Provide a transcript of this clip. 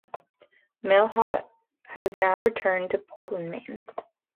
Mailhot has now returned to Portland, Maine.